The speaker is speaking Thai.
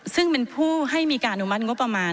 ซึ่งเป็นผู้ให้มีการอนุมัติงบประมาณ